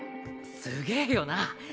すげぇよな。